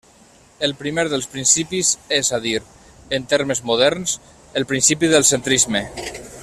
El primer dels principis -és a dir, en termes moderns, el principi del centrisme.